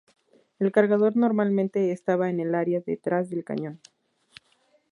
El cargador normalmente estaba en el área detrás del cañón.